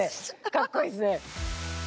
かっこいいですね！